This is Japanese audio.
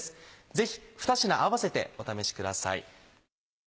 ぜひ２品併せてお試しください。